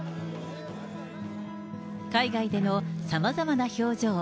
海外でのさまざまな表情。